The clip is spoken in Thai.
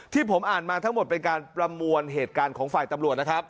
ที่ผมอ่านมาทั้งหมดเป็นการประมวลเหตุการณ์ของฝ่ายตำรวจนะครับ